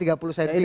ini kan pertarungan